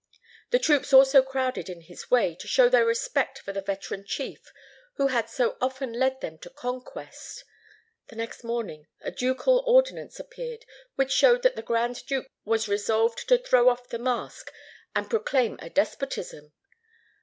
The troops also crowded in his way, to show their respect for the veteran chief who had so often led them to conquest. The next morning a ducal ordinance appeared, which showed that the Grand Duke was resolved to throw off the mask, and proclaim a despotism.